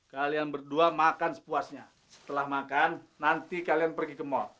kalian berdua makan sepuasnya setelah makan nanti kalian pergi ke mall